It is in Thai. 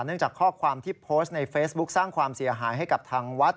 จากข้อความที่โพสต์ในเฟซบุ๊คสร้างความเสียหายให้กับทางวัด